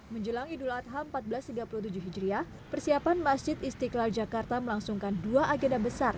menjelang idul adha seribu empat ratus tiga puluh tujuh hijriah persiapan masjid istiqlal jakarta melangsungkan dua agenda besar